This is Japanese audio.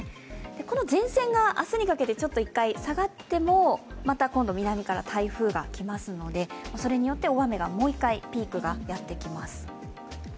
この前線が明日にかけて１回ちょっと下がっても、また今度南から台風がきますのでそれによって大雨がもう一回ピークがやってきます。